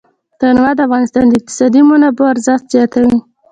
تنوع د افغانستان د اقتصادي منابعو ارزښت زیاتوي.